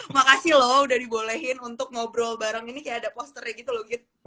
makasih loh udah dibolehin untuk ngobrol bareng ini kayak ada posternya gitu loh gitu